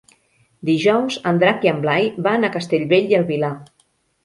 Dijous en Drac i en Blai van a Castellbell i el Vilar.